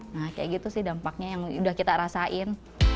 nah kayak gitu sih dampaknya yang udah kita rasain